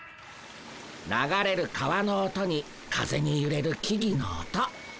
流れる川の音に風にゆれる木々の音。